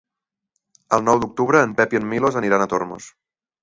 El nou d'octubre en Pep i en Milos aniran a Tormos.